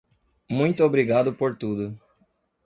Muito obrigado por tudo.